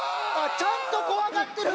ちゃんとこわがってる！